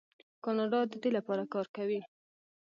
کاناډا د دې لپاره کار کوي.